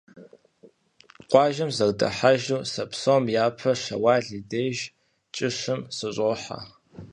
Къуажэм сызэрыдыхьэжу сэ псом япэ Щэуал и деж, кӀыщым, сыщӀохьэ.